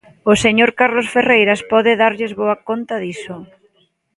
O señor Carlos Ferreiras pode darlles boa conta diso.